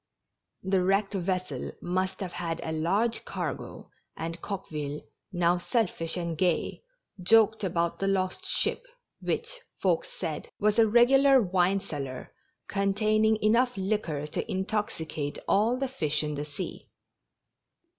The wrecked vessel must have had a large cargo, and Coqueville, now selfish and gay, joked about the lost ship, which, folks said, was a regu lar wine cellar, containing enough liquor to intoxicate all the fish in the sea.